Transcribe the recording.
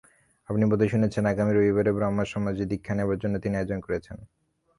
আপনি বোধ হয় শুনেছেন, আগামী রবিবারে ব্রাহ্মসমাজে দীক্ষা নেবার জন্যে তিনি আয়োজন করেছেন।